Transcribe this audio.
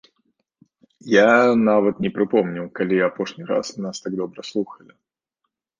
Я нават не прыпомню, калі апошні раз нас так добра слухалі.